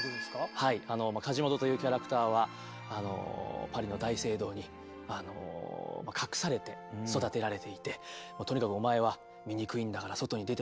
はいカジモドというキャラクターはパリの大聖堂に隠されて育てられていてとにかくお前は醜いんだから外に出てはいけないと。